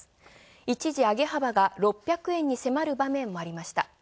一時上げ幅が６００円に迫る場面もありました。